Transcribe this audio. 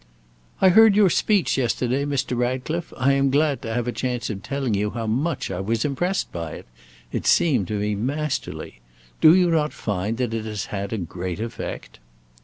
"I heard your speech yesterday, Mr. Ratcliffe. I am glad to have a chance of telling you how much I was impressed by it. It seemed to me masterly. Do you not find that it has had a great effect?"